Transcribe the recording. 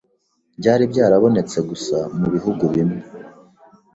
byari byarabonetse gusa mu bihugu bimwe